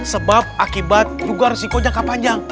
sebab akibat juga risiko jangka panjang